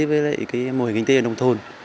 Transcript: với cái mô hình kinh tế nông thôn